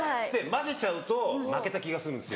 混ぜちゃうと負けた気がするんですよ。